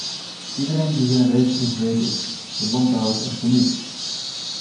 Iedereen die hier aanwezig is weet dit, de landbouwers echter niet.